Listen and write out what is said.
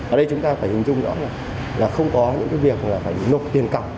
ở đây chúng ta phải hình dung rõ là không có những việc phải nộp tiền cặp